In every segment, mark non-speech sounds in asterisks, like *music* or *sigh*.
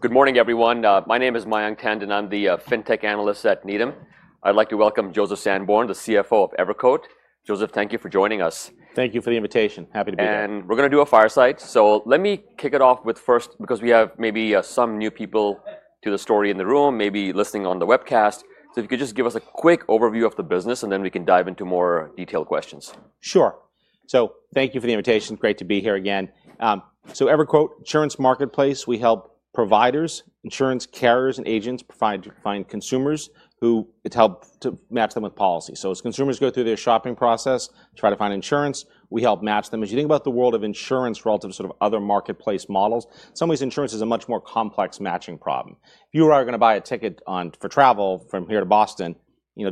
Good morning, everyone. My name is Mayank Tandon, and I'm the FinTech analyst at Needham. I'd like to welcome Joseph Sanborn, the CFO of EverQuote. Joseph, thank you for joining us. Thank you for the invitation. Happy to be here. We're going to do a fireside. Let me kick it off with first, because we have maybe some new people to the story in the room, maybe listening on the webcast. If you could just give us a quick overview of the business, and then we can dive into more detailed questions. Sure. So, thank you for the invitation. It's great to be here again. So EverQuote Insurance Marketplace, we help providers, insurance carriers, and agents find consumers who help to match them with policy. So as consumers go through their shopping process, try to find insurance, we help match them. As you think about the world of insurance relative to sort of other marketplace models, in some ways, insurance is a much more complex matching problem. If you are going to buy a ticket for travel from here to Boston,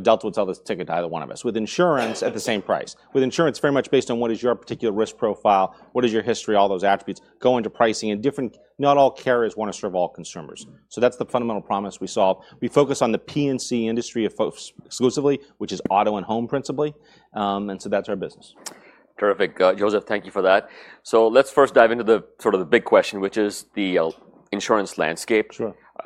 Delta would sell this ticket to either one of us with insurance at the same price. With insurance, very much based on what is your particular risk profile, what is your history, all those attributes go into pricing. And different, not all carriers want to serve all consumers. So that's the fundamental promise we solve. We focus on the P&C industry exclusively, which is auto and home, principally. And so that's our business. Terrific. Joseph, thank you for that. So let's first dive into the sort of big question, which is the insurance landscape.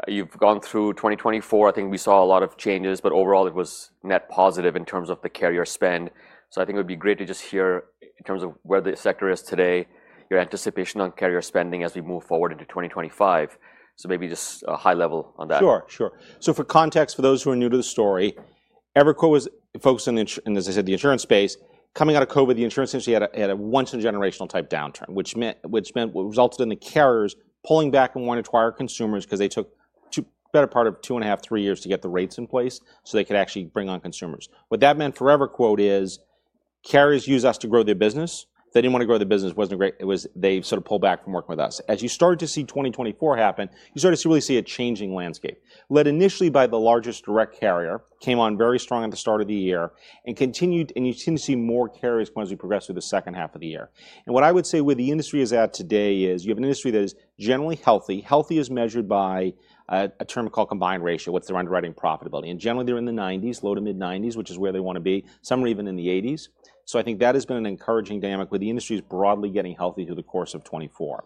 You've gone through 2024. I think we saw a lot of changes, but overall, it was net positive in terms of the carrier spend. So I think it would be great to just hear, in terms of where the sector is today, your anticipation on carrier spending as we move forward into 2025. So maybe just a high level on that. Sure, sure. So for context, for those who are new to the story, EverQuote was focused on, as I said, the insurance space. Coming out of COVID, the insurance industry had a once-in-a-generational type downturn, which resulted in the carriers pulling back and wanting to acquire consumers because they took a better part of two and a half, three years to get the rates in place so they could actually bring on consumers. What that meant for EverQuote is, carriers used us to grow their business. They didn't want to grow their business. It wasn't great. They sort of pulled back from working with us. As you started to see 2024 happen, you started to really see a changing landscape. Led initially by the largest direct carrier, came on very strong at the start of the year, and continued, and you seem to see more carriers as we progress through the second half of the year. And what I would say where the industry is at today is you have an industry that is generally healthy. Healthy is measured by a term called combined ratio, what's the underwriting profitability. And generally, they're in the 90s%, low to mid-90s%, which is where they want to be. Some are even in the 80s%. So I think that has been an encouraging dynamic where the industry is broadly getting healthy through the course of 2024.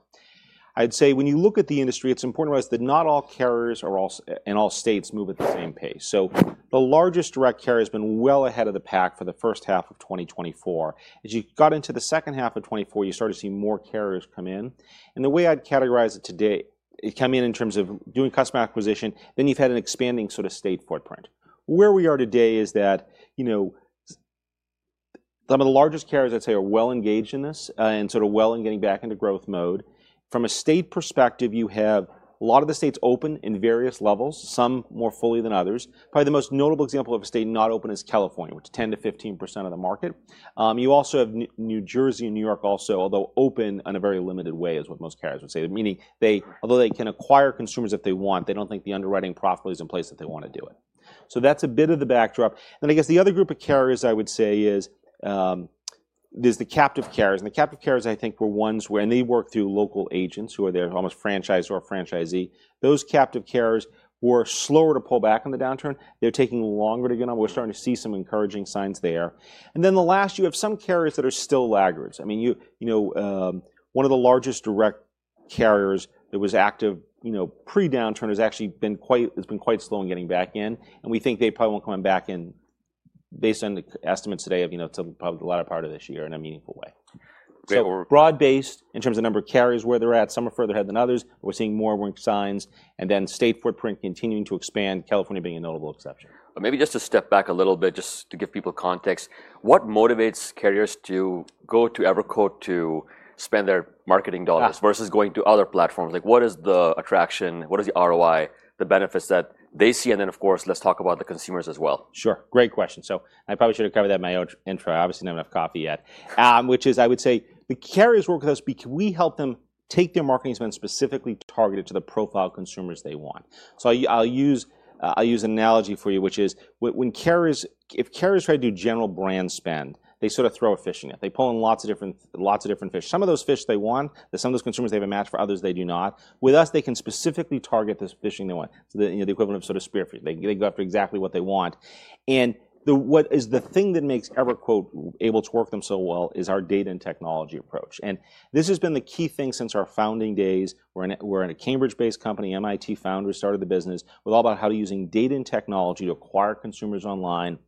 I'd say when you look at the industry, it's important to realize that not all carriers in all states move at the same pace. So the largest direct carrier has been well ahead of the pack for the first half of 2024. As you got into the second half of 2024, you started to see more carriers come in. And the way I'd categorize it today, it came in in terms of doing customer acquisition, then you've had an expanding sort of state footprint. Where we are today is that some of the largest carriers, I'd say, are well engaged in this and sort of well in getting back into growth mode. From a state perspective, you have a lot of the states open in various levels, some more fully than others. Probably the most notable example of a state not open is California, which is 10%-15% of the market. You also have New Jersey and New York also, although open in a very limited way, is what most carriers would say. Meaning, although they can acquire consumers if they want, they don't think the underwriting profitability is in place that they want to do it. So that's a bit of the backdrop. And I guess the other group of carriers I would say is there's the captive carriers. And the captive carriers, I think, were ones where they work through local agents who are their almost franchise or franchisee. Those captive carriers were slower to pull back in the downturn. They're taking longer to get on. We're starting to see some encouraging signs there. And then the last, you have some carriers that are still laggards. I mean, one of the largest direct carriers that was active pre-downturn has actually been quite slow in getting back in. And we think they probably won't come back in based on estimates today of probably the latter part of this year in a meaningful way. So broad-based in terms of number of carriers where they're at, some are further ahead than others. We're seeing more work signs. And then state footprint continuing to expand, California being a notable exception. Maybe just to step back a little bit, just to give people context, what motivates carriers to go to EverQuote to spend their marketing dollars versus going to other platforms? What is the attraction? What is the ROI, the benefits that they see? And then, of course, let's talk about the consumers as well. Sure. Great question. So I probably should have covered that in my intro. Obviously, not enough coffee yet, which is, I would say, the carriers work with us because we help them take their marketing spend specifically targeted to the profile consumers they want. So I'll use an analogy for you, which is if carriers try to do general brand spend, they sort of throw a fishing net. They pull in lots of different fish. Some of those fish they want, some of those consumers they've matched for others they do not. With us, they can specifically target the fishing they want. So the equivalent of sort of spearfishing. They go after exactly what they want. And the thing that makes EverQuote able to work with them so well is our data and technology approach. And this has been the key thing since our founding days. We're a Cambridge-based company. MIT founders started the business with all about how using data and technology to acquire consumers online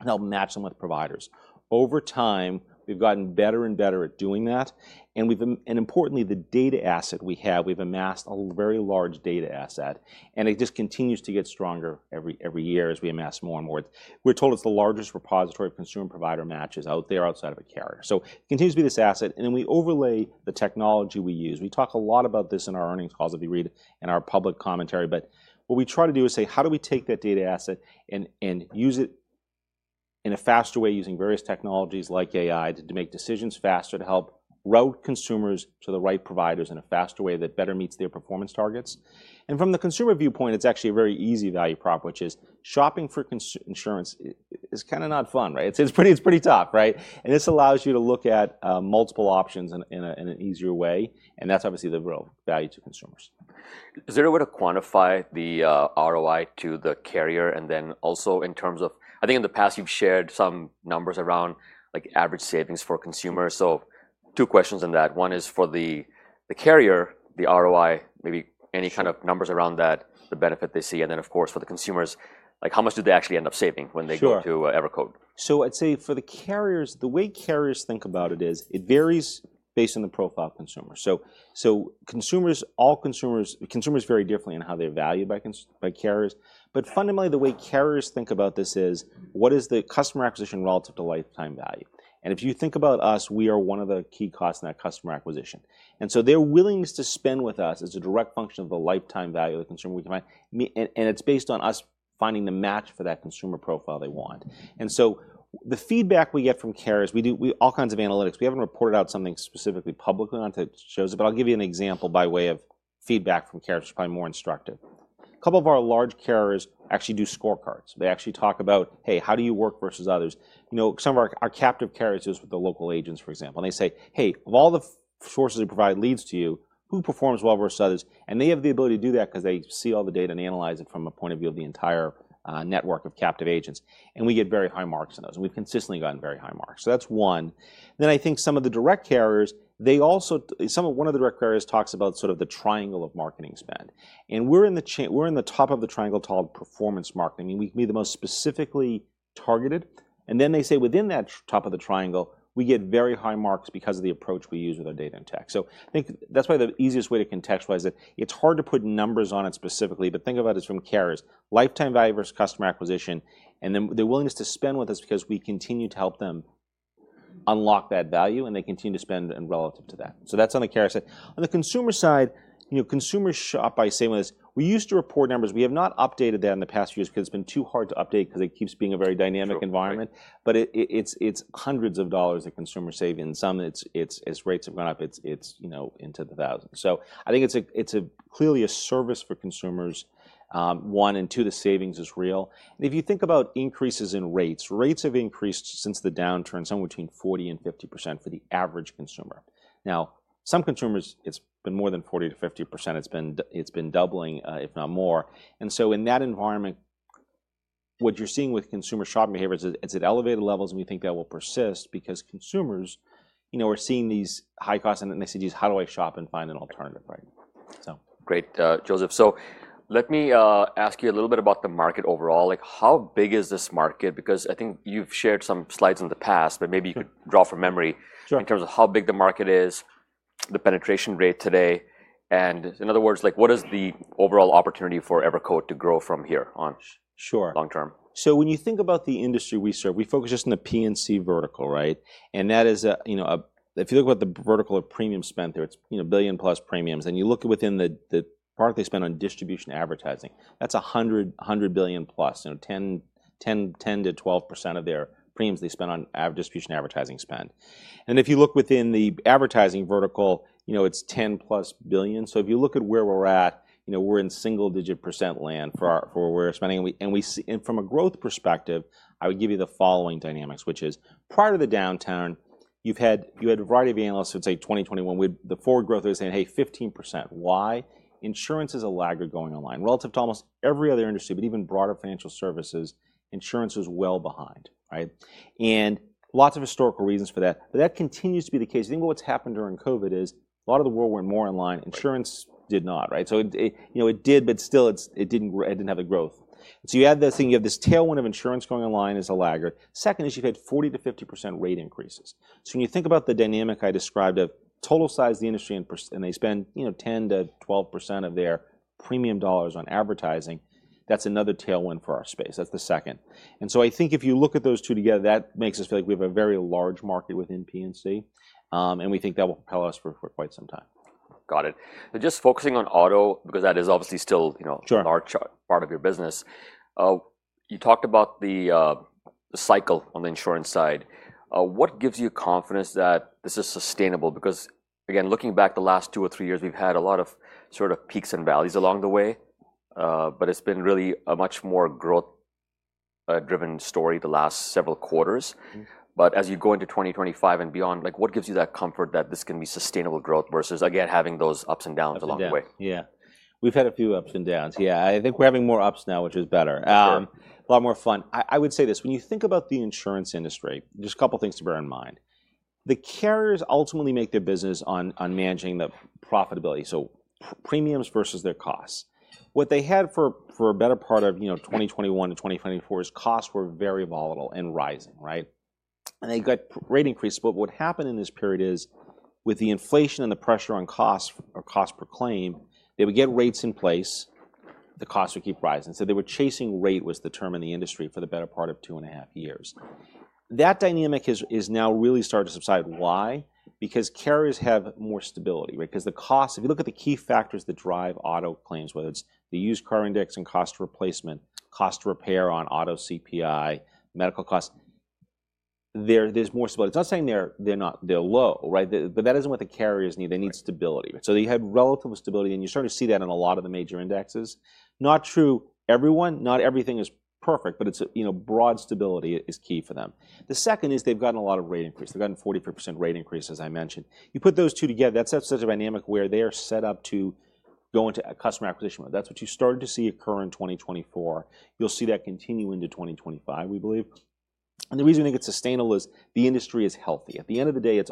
and help match them with providers. Over time, we've gotten better and better at doing that. And importantly, the data asset we have, we've amassed a very large data asset. And it just continues to get stronger every year as we amass more and more. We're told it's the largest repository of consumer provider matches out there outside of a carrier. So it continues to be this asset. And then we overlay the technology we use. We talk a lot about this in our earnings calls that we read and our public commentary. But what we try to do is say, how do we take that data asset and use it in a faster way using various technologies like AI to make decisions faster to help route consumers to the right providers in a faster way that better meets their performance targets? And from the consumer viewpoint, it's actually a very easy value prop, which is shopping for insurance is kind of not fun, right? It's pretty tough, right? And this allows you to look at multiple options in an easier way. And that's obviously the real value to consumers. Is there a way to quantify the ROI to the carrier? And then also in terms of, I think in the past, you've shared some numbers around average savings for consumers. So two questions on that. One is for the carrier, the ROI, maybe any kind of numbers around that, the benefit they see. And then, of course, for the consumers, how much do they actually end up saving when they go to EverQuote? So I'd say for the carriers, the way carriers think about it is it varies based on the profile of consumers. So all consumers vary differently in how they're valued by carriers. But fundamentally, the way carriers think about this is what is the customer acquisition relative to lifetime value? And if you think about us, we are one of the key costs in that customer acquisition. And so their willingness to spend with us is a direct function of the lifetime value of the consumer we can find. And it's based on us finding the match for that consumer profile they want. And so the feedback we get from carriers, we do all kinds of analytics. We haven't reported out something specifically publicly onto shows, but I'll give you an example by way of feedback from carriers, which is probably more instructive. A couple of our large carriers actually do scorecards. They actually talk about, hey, how do you work versus others? Some of our captive carriers do this with the local agents, for example. And they say, hey, of all the sources we provide leads to you, who performs well versus others? And they have the ability to do that because they see all the data and analyze it from a point of view of the entire network of captive agents. And we get very high marks on those. And we've consistently gotten very high marks. So that's one. Then I think some of the direct carriers, they also one of the direct carriers talks about sort of the triangle of marketing spend. And we're in the top of the triangle called performance marketing. We can be the most specifically targeted. And then they say within that top of the triangle, we get very high marks because of the approach we use with our data and tech. So I think that's probably the easiest way to contextualize it. It's hard to put numbers on it specifically, but think about it from carriers. Lifetime value versus customer acquisition, and then their willingness to spend with us because we continue to help them unlock that value, and they continue to spend relative to that. So that's on the carrier side. On the consumer side, consumers shop by same ways. We used to report numbers. We have not updated that in the past few years because it's been too hard to update because it keeps being a very dynamic environment. But it's hundreds of dollars of consumer savings. Some rates have gone up into the thousands/ So, I think it's clearly a service for consumers, one. And two, the savings is real. And if you think about increases in rates, rates have increased since the downturn somewhere between 40% and 50% for the average consumer. Now, some consumers, it's been more than 40%-50%. It's been doubling, if not more. And so in that environment, what you're seeing with consumer shopping behavior is it's at elevated levels, and we think that will persist because consumers are seeing these high costs and they see these, how do I shop and find an alternative, right? Great, Joseph. So let me ask you a little bit about the market overall. How big is this market? Because I think you've shared some slides in the past, but maybe you could draw from memory in terms of how big the market is, the penetration rate today. And in other words, what is the overall opportunity for EverQuote to grow from here on long term? So when you think about the industry we serve, we focus just on the P&C vertical, right? And if you look at the vertical of premium spend, there's a billion-plus premiums. And you look within the product they spend on distribution advertising, that's 100 billion-plus, 10%-12% of their premiums they spend on distribution advertising spend. And if you look within the advertising vertical, it's 10-plus billion. So if you look at where we're at, we're in single-digit% land for where we're spending. And from a growth perspective, I would give you the following dynamics, which is prior to the downturn, you had a variety of analysts who would say 2021, the forward growth was saying, hey, 15%. Why? Insurance is a laggard going online. Relative to almost every other industry, but even broader financial services, insurance was well behind, right? And lots of historical reasons for that. But that continues to be the case. I think what's happened during COVID is a lot of the world went more online. Insurance did not, right? So it did, but still it didn't have the growth. So you add this thing. You have this tailwind of insurance going online is a laggard. Second is you've had 40%-50% rate increases. So when you think about the dynamic I described of total size of the industry and they spend 10%-12% of their premium dollars on advertising, that's another tailwind for our space. That's the second. And so I think if you look at those two together, that makes us feel like we have a very large market within P&C. And we think that will propel us for quite some time. Got it. Just focusing on auto, because that is obviously still a large part of your business. You talked about the cycle on the insurance side. What gives you confidence that this is sustainable? Because, again, looking back the last two or three years, we've had a lot of sort of peaks and valleys along the way. But it's been really a much more growth-driven story the last several quarters. But as you go into 2025 and beyond, what gives you that comfort that this can be sustainable growth versus, again, having those ups and downs along the way? Yeah. We've had a few ups and downs. Yeah. I think we're having more ups now, which is better. A lot more fun. I would say this. When you think about the insurance industry, just a couple of things to bear in mind. The carriers ultimately make their business on managing the profitability, so premiums versus their costs. What they had for a better part of 2021 to 2024 is costs were very volatile and rising, right? And they got rate increases. But what happened in this period is with the inflation and the pressure on costs or cost per claim, they would get rates in place, the costs would keep rising. So they were chasing rate was the term in the industry for the better part of two and a half years. That dynamic has now really started to subside. Why? Because carriers have more stability. Because the cost, if you look at the key factors that drive auto claims, whether it's the used car index and cost of replacement, cost to repair on auto CPI, medical costs, there's more stability. It's not saying they're low, right? But that isn't what the carriers need. They need stability. So they had relative stability. And you start to see that in a lot of the major indexes. Not true for everyone. Not everything is perfect, but broad stability is key for them. The second is they've gotten a lot of rate increase. They've gotten 45% rate increase, as I mentioned. You put those two together, that's such a dynamic where they are set up to go into a customer acquisition mode. That's what you started to see occur in 2024. You'll see that continue into 2025, we believe. And the reason we think it's sustainable is the industry is healthy. At the end of the day, if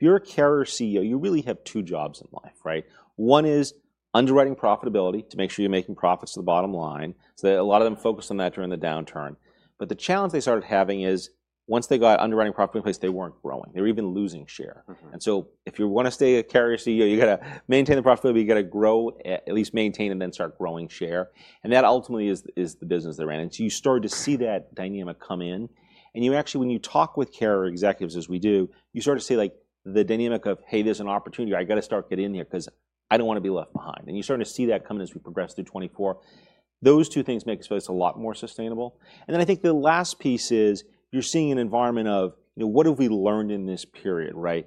you're a carrier CEO, you really have two jobs in life, right? One is underwriting profitability to make sure you're making profits to the bottom line. So a lot of them focused on that during the downturn. But the challenge they started having is once they got underwriting profitability in place, they weren't growing. They were even losing share. And so if you want to stay a carrier CEO, you got to maintain the profitability. You got to grow, at least maintain and then start growing share. And that ultimately is the business they're in. And so you started to see that dynamic come in. And actually, when you talk with carrier executives, as we do, you start to see the dynamic of, hey, there's an opportunity. I got to start getting in here because I don't want to be left behind. And you're starting to see that come in as we progress through 2024. Those two things make this place a lot more sustainable. And then I think the last piece is you're seeing an environment of what have we learned in this period, right?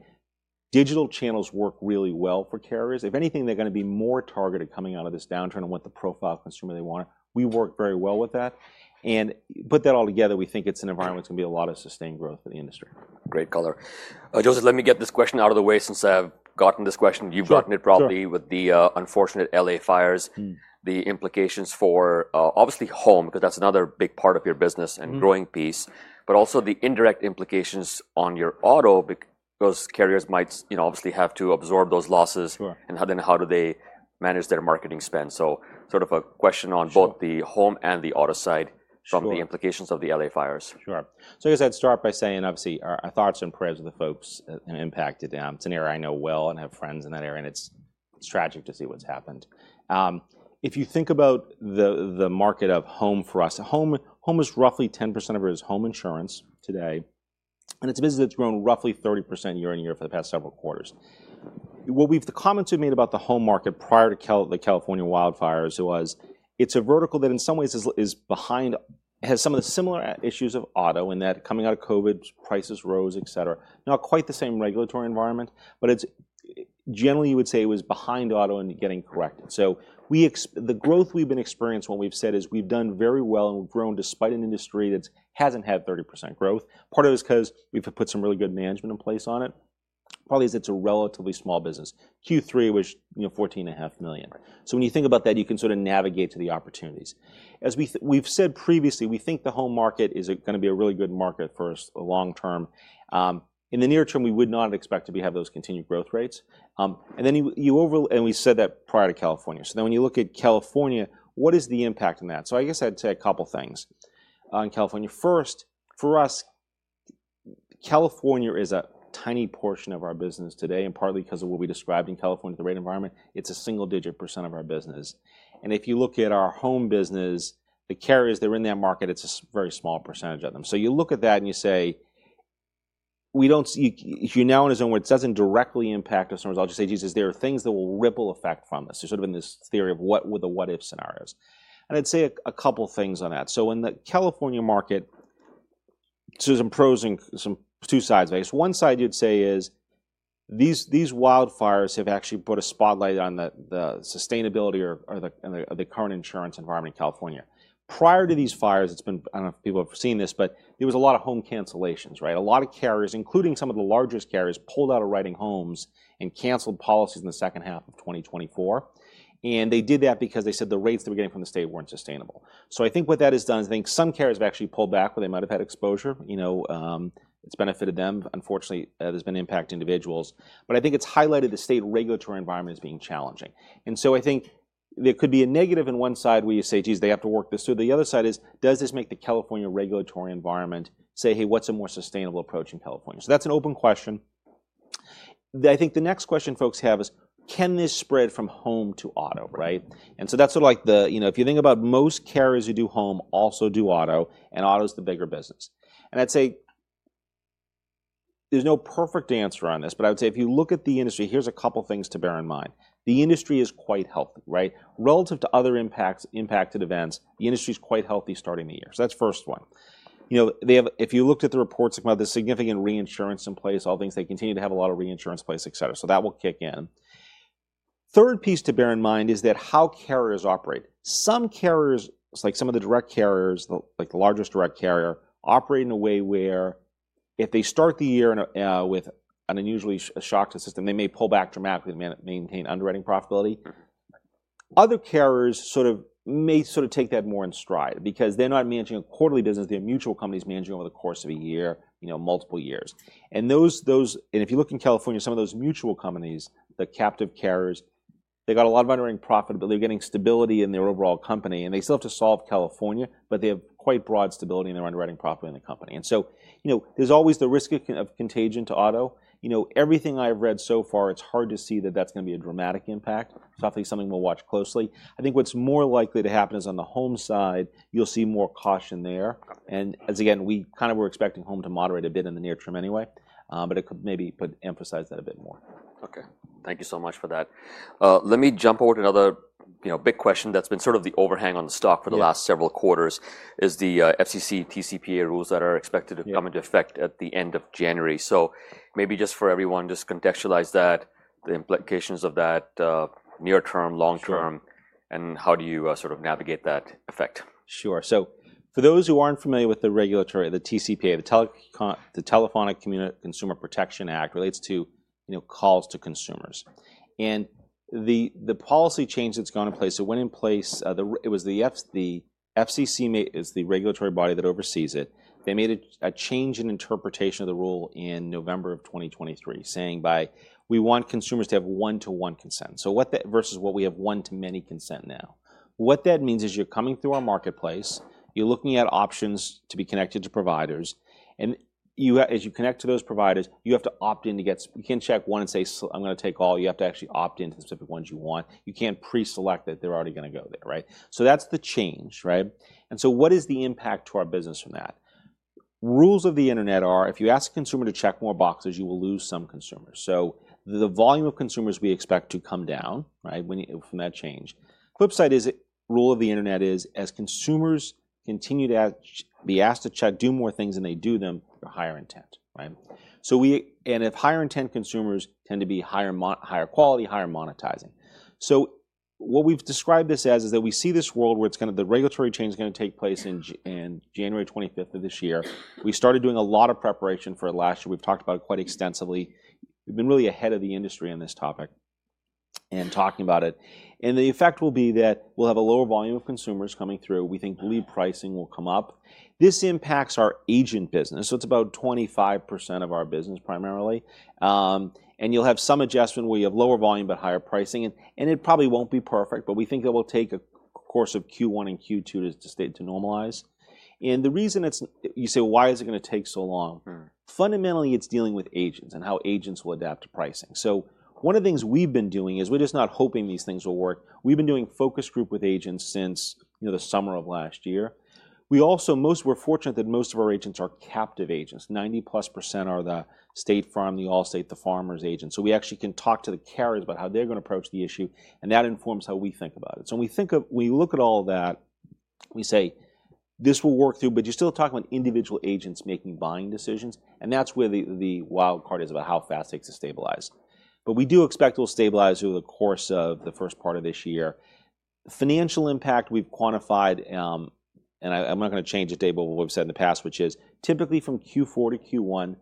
Digital channels work really well for carriers. If anything, they're going to be more targeted coming out of this downturn and what the profile consumer they want. We work very well with that. And put that all together, we think it's an environment that's going to be a lot of sustained growth for the industry. Great color. Joseph, let me get this question out of the way since I've gotten this question. You've gotten it probably with the unfortunate LA fires, the implications for obviously home because that's another big part of your business and growing piece, but also the indirect implications on your auto because carriers might obviously have to absorb those losses. And then how do they manage their marketing spend? So sort of a question on both the home and the auto side from the implications of the LA fires. Sure. So I guess I'd start by saying, obviously, our thoughts and prayers of the folks and impacted down. It's an area I know well and have friends in that area. And it's tragic to see what's happened. If you think about the market of home for us, home is roughly 10% of it is home insurance today. And it's a business that's grown roughly 30% year on year for the past several quarters. The comments we made about the home market prior to the California wildfires was it's a vertical that in some ways has some of the similar issues of auto in that coming out of COVID, prices rose, et cetera. Not quite the same regulatory environment, but generally, you would say it was behind auto and getting corrected. So the growth we've been experiencing what we've said is we've done very well and we've grown despite an industry that hasn't had 30% growth. Part of it is because we've put some really good management in place on it. Probably it's a relatively small business. Q3 was $14.5 million. So when you think about that, you can sort of navigate to the opportunities. As we've said previously, we think the home market is going to be a really good market for us long term. In the near term, we would not expect to have those continued growth rates. And we said that prior to California. So then when you look at California, what is the impact on that? So I guess I'd say a couple of things on California. First, for us, California is a tiny portion of our business today. And partly because of what we described in California at the rate environment, it's a single-digit % of our business. And if you look at our home business, the carriers, they're in that market, it's a very small percentage of them. So you look at that and you say, if you're now in a zone where it doesn't directly impact us, I'll just say, geez, there are things that will ripple effect from this. There's sort of been this theory of what with the what-if scenarios. And I'd say a couple of things on that. So in the California market, so there's some pros and cons, I guess. One side you'd say is these wildfires have actually put a spotlight on the sustainability of the current insurance environment in California. Prior to these fires, it's been. I don't know if people have seen this, but there was a lot of home cancellations, right? A lot of carriers, including some of the largest carriers, pulled out of writing homes and canceled policies in the second half of 2024. And they did that because they said the rates they were getting from the state weren't sustainable. So I think what that has done is I think some carriers have actually pulled back where they might have had exposure. It's benefited them. Unfortunately, there's been impact to individuals. But I think it's highlighted the state regulatory environment as being challenging. And so I think there could be a negative on one side where you say, geez, they have to work this through. The other side is, does this make the California regulatory environment say, hey, what's a more sustainable approach in California? That's an open question. I think the next question folks have is, can this spread from home to auto, right? And so that's sort of like the, if you think about most carriers who do home also do auto, and auto is the bigger business. And I'd say there's no perfect answer on this, but I would say if you look at the industry, here's a couple of things to bear in mind. The industry is quite healthy, right? Relative to other impacted events, the industry is quite healthy starting the year. So that's first one. If you looked at the reports, they come out with a significant reinsurance in place, all things. They continue to have a lot of reinsurance in place, et cetera. So that will kick in. Third piece to bear in mind is that how carriers operate. Some carriers, like some of the direct carriers, like the largest direct carrier, operate in a way where if they start the year with an unusually shocked system, they may pull back dramatically to maintain underwriting profitability. Other carriers sort of may take that more in stride because they're not managing a quarterly business. They have mutual companies managing over the course of a year, multiple years, and if you look in California, some of those mutual companies, the captive carriers, they got a lot of underwriting profit, but they're getting stability in their overall company, and they still have to solve California, but they have quite broad stability in their underwriting profit in the company, and so there's always the risk of contagion to auto. Everything I've read so far, it's hard to see that that's going to be a dramatic impact. It's definitely something we'll watch closely. I think what's more likely to happen is on the home side, you'll see more caution there, and as again, we kind of were expecting home to moderate a bit in the near term anyway, but it could maybe emphasize that a bit more. Okay. Thank you so much for that. Let me jump over to another big question that's been sort of the overhang on the stock for the last several quarters: the FCC TCPA rules that are expected to come into effect at the end of January. So maybe just for everyone, just contextualize that, the implications of that near term, long term, and how do you sort of navigate that effect? Sure. For those who aren't familiar with the regulatory, the TCPA, the Telephone Consumer Protection Act relates to calls to consumers. And the policy change that's gone in place. It was the FCC is the regulatory body that oversees it. They made a change in interpretation of the rule in November of 2023, saying we want consumers to have one-to-one consent versus what we have one-to-many consent now. What that means is you're coming through our marketplace, you're looking at options to be connected to providers. And as you connect to those providers, you have to opt in to get. You can't check one and say, I'm going to take all. You have to actually opt into the specific ones you want. You can't pre-select that they're already going to go there, right? That's the change, right? And so what is the impact to our business from that? Rules of the internet are, if you ask a consumer to check more boxes, you will lose some consumers. So the volume of consumers we expect to come down, right, from that change. Flip side is rule of the internet is as consumers continue to be asked to check, do more things than they do them, they're higher intent, right? And if higher intent consumers tend to be higher quality, higher monetizing. So what we've described this as is that we see this world where it's going to the regulatory change is going to take place in January 25th of this year. We started doing a lot of preparation for it last year. We've talked about it quite extensively. We've been really ahead of the industry on this topic and talking about it. And the effect will be that we'll have a lower volume of consumers coming through. We think lead pricing will come up. This impacts our agent business. So it's about 25% of our business primarily. And you'll have some adjustment where you have lower volume, but higher pricing. And it probably won't be perfect, but we think it will take a course of Q1 and Q2 to stay to normalize. And the reason it's you say, why is it going to take so long? Fundamentally, it's dealing with agents and how agents will adapt to pricing. So one of the things we've been doing is we're just not hoping these things will work. We've been doing focus group with agents since the summer of last year. We also, we're fortunate that most of our agents are captive agents. 90%+ are the State Farm, the Allstate, the Farmers agents. So we actually can talk to the carriers about how they're going to approach the issue. And that informs how we think about it. So when we look at all that, we say, this will work through, but you're still talking about individual agents making buying decisions. And that's where the wild card is about how fast it takes to stabilize. But we do expect it will stabilize over the course of the first part of this year. Financial impact, we've quantified, and I'm not going to change the table, but what we've said in the past, which is typically from Q4 to Q1,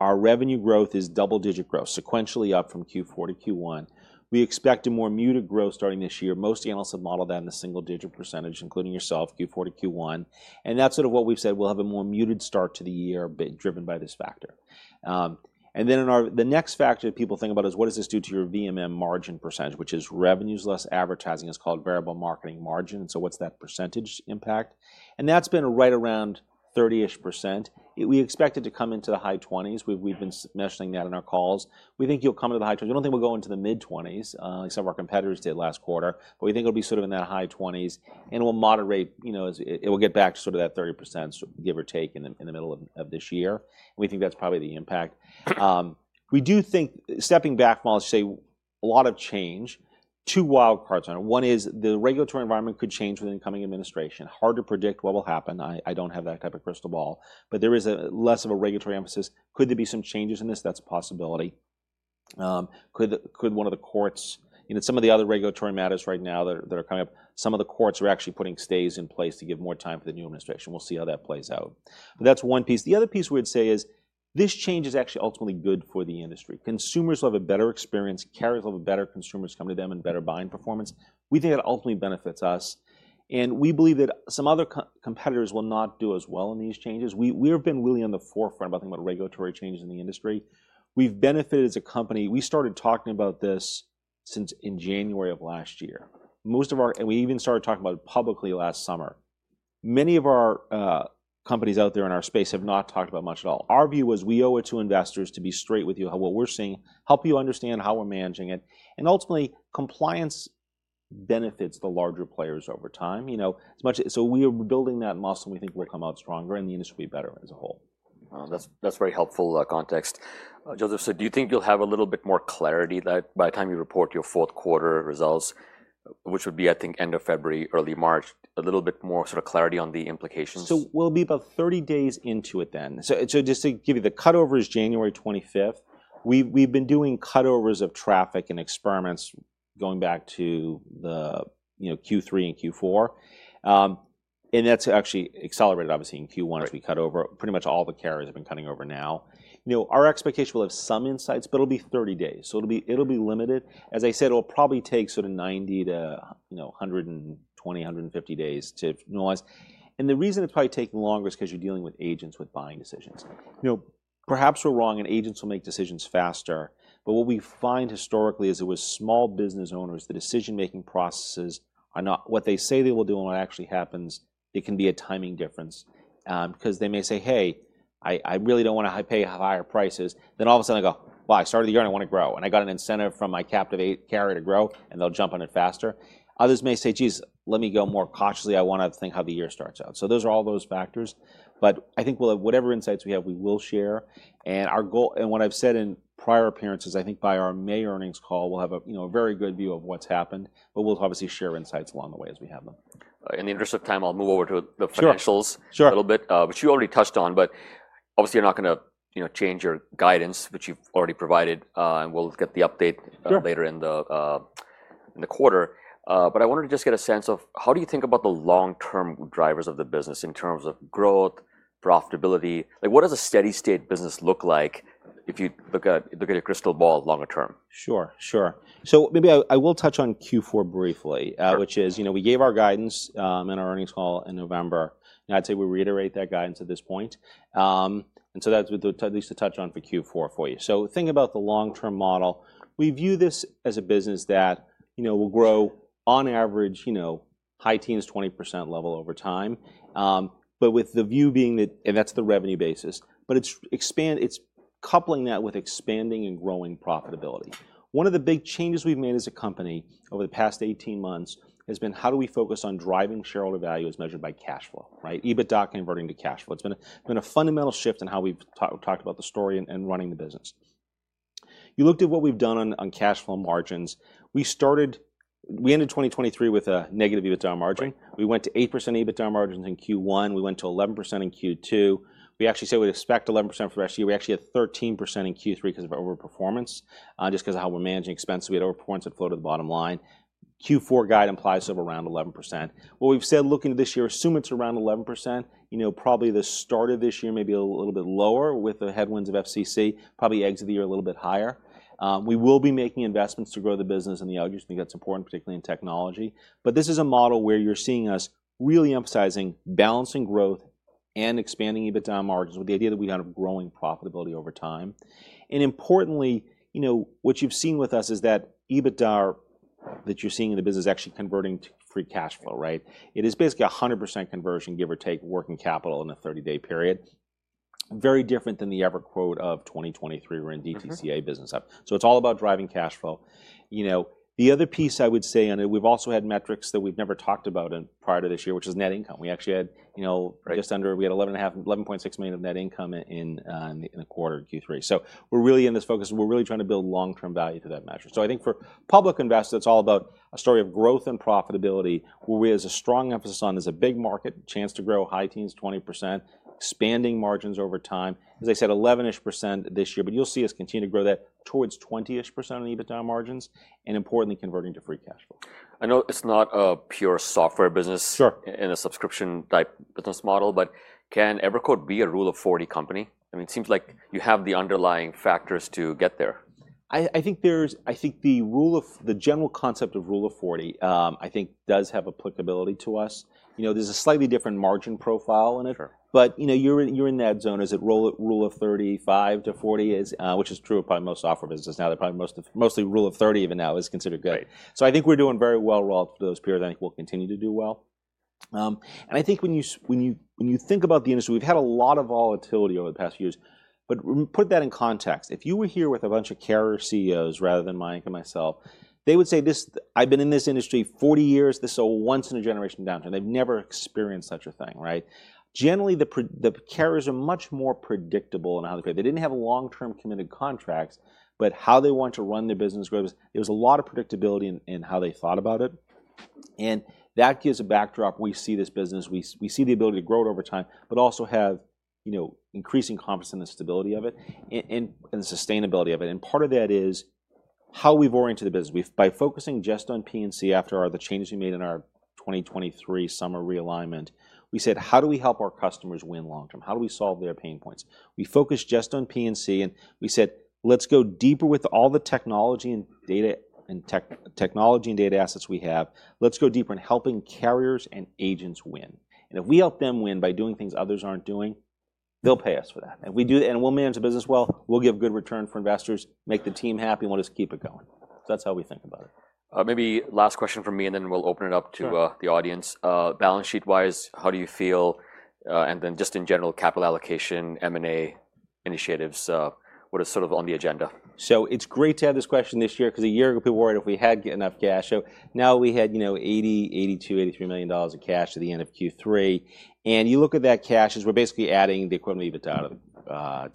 our revenue growth is double-digit growth, sequentially up from Q4 to Q1. We expect a more muted growth starting this year. Most analysts have modeled that in the single-digit percentage, including yourself, Q4 to Q1, and that's sort of what we've said. We'll have a more muted start to the year, driven by this factor, and then the next factor that people think about is what does this do to your VMM margin percentage, which is revenues less advertising, it's called variable marketing margin, so what's that percentage impact, and that's been right around 30-ish%. We expect it to come into the high 20s. We've been mentioning that in our calls. We think you'll come into the high 20s. We don't think we'll go into the mid-20s, except our competitors did last quarter, but we think it'll be sort of in that high 20s, and it will moderate, it will get back to sort of that 30%, give or take, in the middle of this year. We think that's probably the impact. We do think, stepping back from all this, say a lot of change, two wild cards on it. One is the regulatory environment could change with the incoming administration. Hard to predict what will happen. I don't have that type of crystal ball. But there is less of a regulatory emphasis. Could there be some changes in this? That's a possibility. Could one of the courts, some of the other regulatory matters right now that are coming up, some of the courts are actually putting stays in place to give more time for the new administration? We'll see how that plays out. But that's one piece. The other piece we would say is this change is actually ultimately good for the industry. Consumers will have a better experience. Carriers will have better consumers coming to them and better buying performance. We think that ultimately benefits us. And we believe that some other competitors will not do as well in these changes. We have been really on the forefront about thinking about regulatory changes in the industry. We've benefited as a company. We started talking about this since in January of last year. And we even started talking about it publicly last summer. Many of our companies out there in our space have not talked about it much at all. Our view was we owe it to investors to be straight with you about what we're seeing, help you understand how we're managing it. And ultimately, compliance benefits the larger players over time. So we are building that muscle and we think we'll come out stronger and the industry will be better as a whole. That's very helpful context. Joseph, so do you think you'll have a little bit more clarity by the time you report your fourth quarter results, which would be, I think, end of February, early March, a little bit more sort of clarity on the implications? So we'll be about 30 days into it then. So just to give you, the cutover is January 25th. We've been doing cutovers of traffic and experiments going back to Q3 and Q4. And that's actually accelerated, obviously, in Q1 as we cut over. Pretty much all the carriers have been cutting over now. Our expectation will have some insights, but it'll be 30 days. So it'll be limited. As I said, it'll probably take sort of 90 to 120, 150 days to normalize. And the reason it's probably taking longer is because you're dealing with agents with buying decisions. Perhaps we're wrong and agents will make decisions faster. But what we find historically is it was small business owners, the decision-making processes are not what they say they will do and what actually happens, it can be a timing difference. Because they may say, hey, I really don't want to pay higher prices, then all of a sudden I go, well, I started the year, I want to grow, and I got an incentive from my captive carrier to grow and they'll jump on it faster. Others may say, geez, let me go more cautiously. I want to think how the year starts out, so those are all those factors, but I think whatever insights we have, we will share, and what I've said in prior appearances, I think by our May earnings call, we'll have a very good view of what's happened, but we'll obviously share insights along the way as we have them. In the interest of time, I'll move over to the financials a little bit, which you already touched on. But obviously, you're not going to change your guidance, which you've already provided. And we'll get the update later in the quarter. But I wanted to just get a sense of how do you think about the long-term drivers of the business in terms of growth, profitability? What does a steady-state business look like if you look at a crystal ball longer term? Sure, sure. So maybe I will touch on Q4 briefly, which is we gave our guidance in our earnings call in November. And I'd say we reiterate that guidance at this point. And so that's at least to touch on for Q4 for you. So think about the long-term model. We view this as a business that will grow on average, high teens, 20% level over time. But with the view being that that's the revenue basis. But it's coupling that with expanding and growing profitability. One of the big changes we've made as a company over the past 18 months has been how do we focus on driving shareholder value as measured by cash flow, right? EBITDA converting to cash flow. It's been a fundamental shift in how we've talked about the story and running the business. You looked at what we've done on cash flow margins. We ended 2023 with a negative EBITDA margin. We went to 8% EBITDA margins in Q1. We went to 11% in Q2. We actually said we'd expect 11% for the rest of the year. We actually had 13% in Q3 because of overperformance, just because of how we're managing expenses. We had overperformance that flowed to the bottom line. Q4 guide implies over around 11%. What we've said looking at this year, assume it's around 11%. Probably the start of this year, maybe a little bit lower with the headwinds of FCC, probably exit the year a little bit higher. We will be making investments to grow the business and the outcomes. I think that's important, particularly in technology, but this is a model where you're seeing us really emphasizing balancing growth and expanding EBITDA margins with the idea that we have growing profitability over time. And importantly, what you've seen with us is that EBITDA that you're seeing in the business is actually converting to free cash flow, right? It is basically 100% conversion, give or take, working capital in a 30-day period. Very different than the EverQuote of 2023, we were in DTCA business. So it's all about driving cash flow. The other piece I would say on it, we've also had metrics that we've never talked about prior to this year, which is net income. We actually had just under $11.6 million of net income in the quarter Q3. So we're really in this focus. We're really trying to build long-term value to that measure. So I think for public investors, it's all about a story of growth and profitability, where we have a strong emphasis on as a big market, chance to grow, high teens, 20%, expanding margins over time. As I said, 11-ish% this year, but you'll see us continue to grow that towards 20-ish% on EBITDA margins and importantly, converting to free cash flow. I know it's not a pure software business in a subscription type business model, but can EverQuote be a Rule of 40 company? I mean, it seems like you have the underlying factors to get there. I think the rule of the general concept of Rule of 40, I think does have applicability to us. There's a slightly different margin profile in it. But you're in that zone as it rules of 35-40, which is true of probably most software businesses now. They're probably mostly Rule of 30 even now is considered good. So I think we're doing very well throughout those periods. I think we'll continue to do well. And I think when you think about the industry, we've had a lot of volatility over the past few years. But put that in context. If you were here with a bunch of carrier CEOs rather than Mayank and myself, they would say, I've been in this industry 40 years. This is a once-in-a-generation downturn. They've never experienced such a thing, right? Generally, the carriers are much more predictable in how they play. They didn't have long-term committed contracts, but how they want to run their business grows, there was a lot of predictability in how they thought about it. And that gives a backdrop. We see this business. We see the ability to grow it over time, but also have increasing confidence in the stability of it and the sustainability of it. And part of that is how we've oriented the business. By focusing just on P&C after the changes we made in our 2023 summer realignment, we said, how do we help our customers win long-term? How do we solve their pain points? We focused just on P&C and we said, let's go deeper with all the technology and data and technology and data assets we have. Let's go deeper in helping carriers and agents win. If we help them win by doing things others aren't doing, they'll pay us for that. We'll manage the business well. We'll give a good return for investors, make the team happy, and we'll just keep it going. That's how we think about it. Maybe last question for me, and then we'll open it up to the audience. Balance sheet-wise, how do you feel? And then just in general, capital allocation, M&A initiatives, what is sort of on the agenda? So it's great to have this question this year because a year ago, people worried if we had enough cash. So now we had $80, $82, $83 million of cash at the end of Q3. And you look at that cash, we're basically adding the equivalent of EBITDA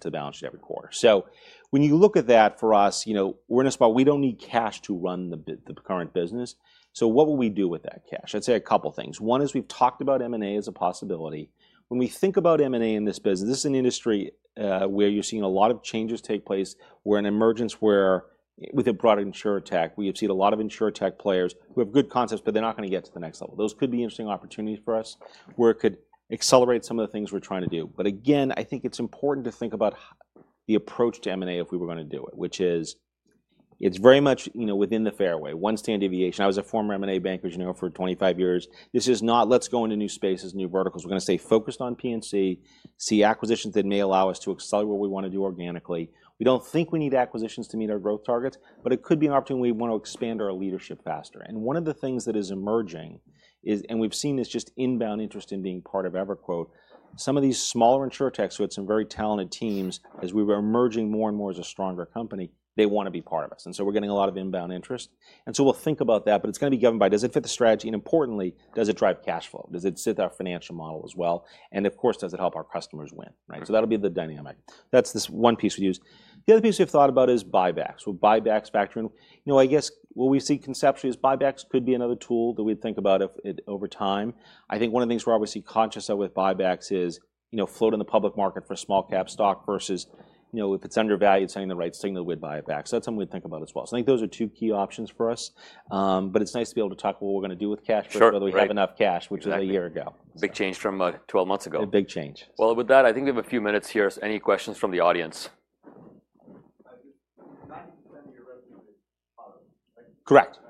to the balance sheet every quarter. So when you look at that for us, we're in a spot where we don't need cash to run the current business. So what will we do with that cash? I'd say a couple of things. One is we've talked about M&A as a possibility. When we think about M&A in this business, this is an industry where you're seeing a lot of changes take place. We're in an environment where with a broader InsurTech, we have seen a lot of InsurTech players who have good concepts, but they're not going to get to the next level. Those could be interesting opportunities for us where it could accelerate some of the things we're trying to do. But again, I think it's important to think about the approach to M&A if we were going to do it, which is it's very much within the fairway, one standard deviation. I was a former M&A banker, as you know, for 25 years. This is not, let's go into new spaces, new verticals. We're going to stay focused on P&C, seek acquisitions that may allow us to accelerate what we want to do organically. We don't think we need acquisitions to meet our growth targets, but it could be an opportunity we want to expand our leadership faster. And one of the things that is emerging is, and we've seen this just inbound interest in being part of EverQuote, some of these smaller InsurTechs who had some very talented teams, as we were emerging more and more as a stronger company, they want to be part of us. And so we're getting a lot of inbound interest. And so we'll think about that, but it's going to be governed by, does it fit the strategy? And importantly, does it drive cash flow? Does it fit our financial model as well? And of course, does it help our customers win? So that'll be the dynamic. That's this one piece we use. The other piece we've thought about is buybacks. Will buybacks factor in? I guess what we see conceptually is buybacks could be another tool that we'd think about over time. I think one of the things we're obviously conscious of with buybacks is floating the public market for small cap stock versus if it's undervalued, sending the right signal with buybacks. That's something we'd think about as well, so I think those are two key options for us, but it's nice to be able to talk about what we're going to do with cash, but whether we have enough cash, which was a year ago. Big change from 12 months ago. A big change. With that, I think we have a few minutes here. Any questions from the audience? Correct.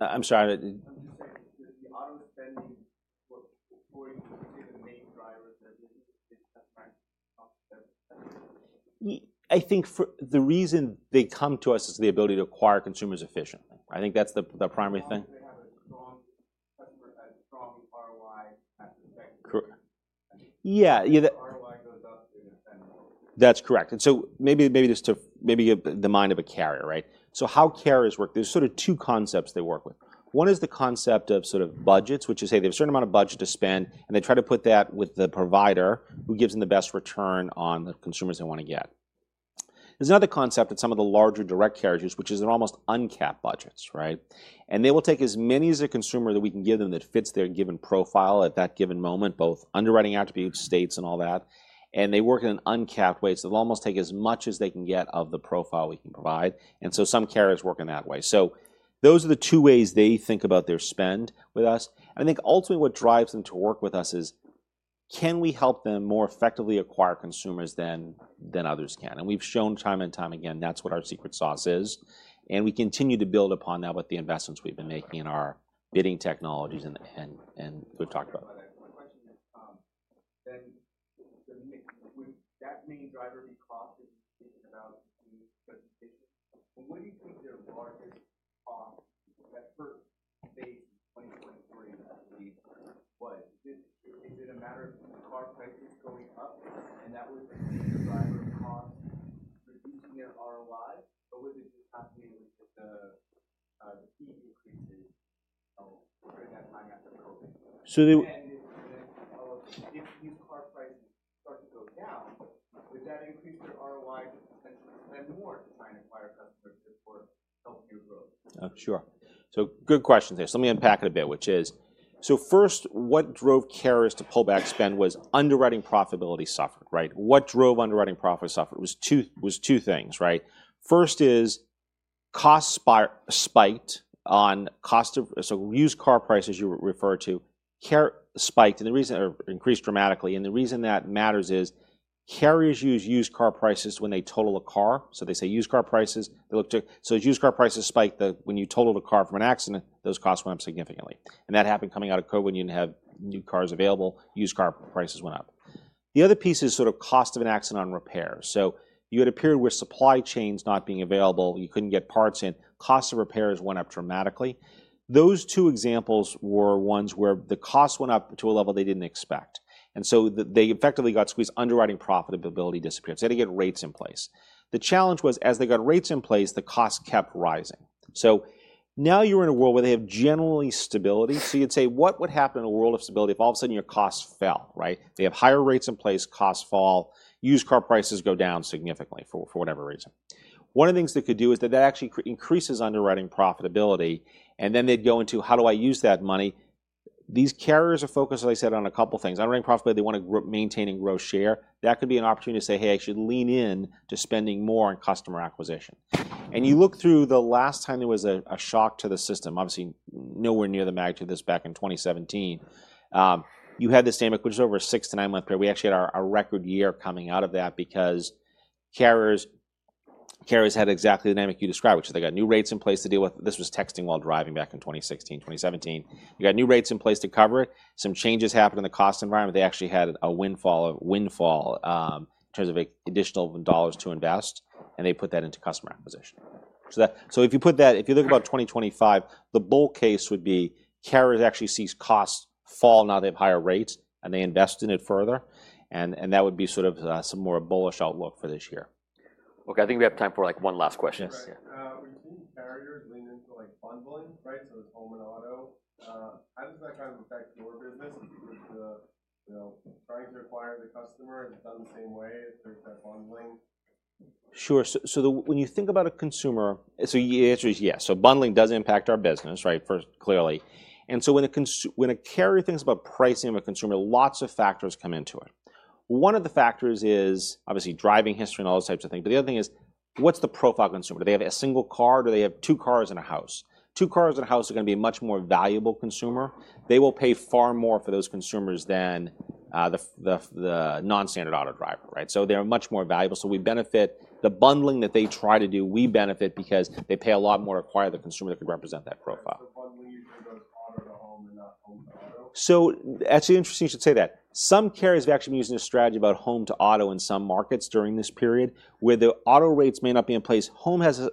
I'm sorry. *audio distortion* I think the reason they come to us is the ability to acquire consumers efficiently. I think that's the primary thing. *audio distortion* Correct. Yeah. That's correct. And so maybe just to the mind of a carrier, right? So how carriers work, there's sort of two concepts they work with. One is the concept of sort of budgets, which is they have a certain amount of budget to spend, and they try to put that with the provider who gives them the best return on the consumers they want to get. There's another concept that some of the larger direct carriers use, which is they're almost uncapped budgets, right? And they will take as many as a consumer that we can give them that fits their given profile at that given moment, both underwriting attributes, states, and all that. And they work in an uncapped way. So they'll almost take as much as they can get of the profile we can provide. And so some carriers work in that way. So those are the two ways they think about their spend with us. And I think ultimately what drives them to work with us is, can we help them more effectively acquire consumers than others can? And we've shown time and time again, that's what our secret sauce is. And we continue to build upon that with the investments we've been making in our bidding technologies and we've talked about. *audio distortion* So. *audio distortion* Sure, so good question there, so let me unpack it a bit, which is, so first, what drove carriers to pull back spend was underwriting profitability suffered, right? What drove underwriting profit suffered was two things, right? First is cost spiked on cost of, so used car prices you referred to spiked, and the reason it increased dramatically, and the reason that matters is carriers use used car prices when they total a car, so they say used car prices, they look to, so used car prices spiked when you totaled a car from an accident, those costs went up significantly, and that happened coming out of COVID when you didn't have new cars available, used car prices went up, the other piece is sort of cost of an accident on repairs. So you had a period where supply chains not being available, you couldn't get parts in, cost of repairs went up dramatically. Those two examples were ones where the cost went up to a level they didn't expect. And so they effectively got squeezed, underwriting profitability disappeared. So they had to get rates in place. The challenge was, as they got rates in place, the cost kept rising. So now you're in a world where they have generally stability. So you'd say, what would happen in a world of stability if all of a sudden your costs fell, right? They have higher rates in place, costs fall, used car prices go down significantly for whatever reason. One of the things they could do is that that actually increases underwriting profitability. And then they'd go into, how do I use that money? These carriers are focused, as I said, on a couple of things. Underwriting profitability, they want to maintain and grow share. That could be an opportunity to say, hey, I should lean into spending more on customer acquisition, and you look through the last time there was a shock to the system, obviously nowhere near the magnitude of this back in 2017, you had this dynamic, which is over a six- to nine-month period. We actually had our record year coming out of that because carriers had exactly the dynamic you described, which they got new rates in place to deal with. This was texting while driving back in 2016, 2017. You got new rates in place to cover it. Some changes happened in the cost environment. They actually had a windfall in terms of additional dollars to invest, and they put that into customer acquisition. So if you put that, if you look about 2025, the bull case would be carriers actually see costs fall, now they have higher rates and they invest in it further. And that would be sort of some more bullish outlook for this year. Okay. I think we have time for one last question. Yes. *audio distortion* Sure. So when you think about a consumer, so the answer is yes. So bundling does impact our business, right? Clearly. And so when a carrier thinks about pricing of a consumer, lots of factors come into it. One of the factors is obviously driving history and all those types of things. But the other thing is, what's the profile consumer? Do they have a single car? Do they have two cars and a house? Two cars and a house are going to be a much more valuable consumer. They will pay far more for those consumers than the non-standard auto driver, right? So they're much more valuable. So we benefit the bundling that they try to do, we benefit because they pay a lot more to acquire the consumer that could represent that profile. *audio distortion* So that's interesting you should say that. Some carriers have actually been using a strategy about home to auto in some markets during this period where the auto rates may not be in place. Home has,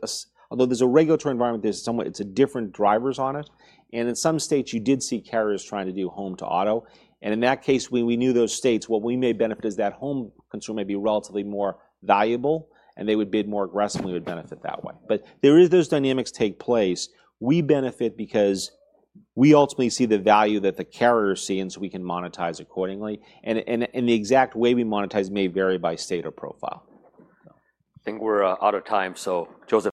although there's a regulatory environment, there's somewhat it's a different drivers on it. And in some states, you did see carriers trying to do home to auto. And in that case, when we knew those states, what we may benefit is that home consumer may be relatively more valuable and they would bid more aggressively and would benefit that way. But there are those dynamics take place. We benefit because we ultimately see the value that the carriers see and so we can monetize accordingly. And the exact way we monetize may vary by state or profile. I think we're out of time. So Joseph.